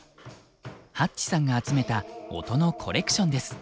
Ｈａｔｃｈさんが集めた音のコレクションです。